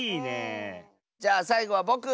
じゃあさいごはぼく！